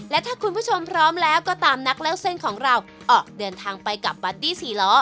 และถ้าคุณผู้ชมพร้อมแล้วก็ตามนักเล่าเส้นของเราออกเดินทางไปกับบัดดี้สี่ล้อ